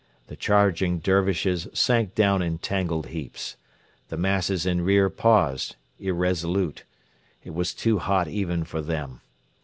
The charging Dervishes sank down in tangled heaps. The masses in rear paused, irresolute. It was too hot even for them.